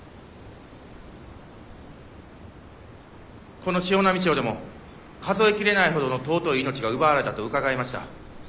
この潮波町でも数え切れないほどの尊い命が奪われたと伺いました。